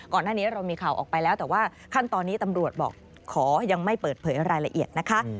ก่อนหน้านี้เรามีข่าวออกไปแล้วแต่ว่าขั้นตอนนี้ตำรวจบอกขอยังไม่เปิดเผยรายละเอียดนะคะ